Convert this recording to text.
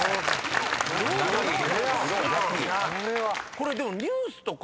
これでも。